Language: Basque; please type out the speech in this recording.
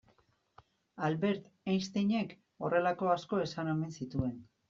Albert Einsteinek horrelako asko esan omen zituen.